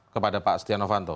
kepada pak stianovanto